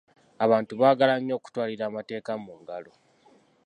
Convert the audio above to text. Abantu baagala nnyo okutwalira amateeka mu ngalo.